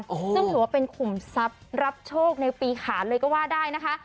ซึ่งถือว่าเป็นขุมทรัพย์รับโชคในปีขาดเลยก็ว่าได้นะคะ